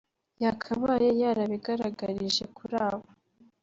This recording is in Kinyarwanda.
yakabaye yarabigaragarije kuri abo